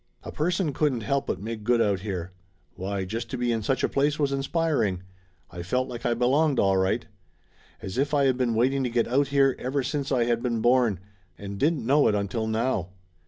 A person couldn't help but make good out here. Why, just to be in such a place was inspiring. I felt like I belonged, all right! As if I had been waiting to get out here ever since I had been born, and didn't know it until now.